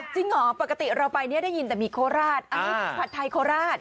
จริงเหรอปกติเราไปเนี่ยได้ยินแต่มีโคราชอันนี้ผัดไทยโคราช